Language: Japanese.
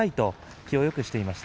気をよくしています。